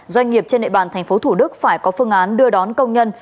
doanh nghiệp trên địa bàn tp thủ đức phải có phương án đưa đón công nhân